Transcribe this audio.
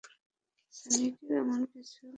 সনিকের এমন কিছু নেই।